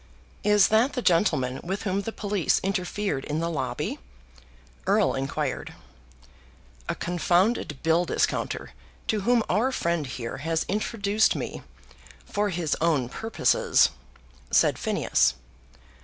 "Is that the gentleman with whom the police interfered in the lobby?" Erle inquired. "A confounded bill discounter to whom our friend here has introduced me, for his own purposes," said Phineas.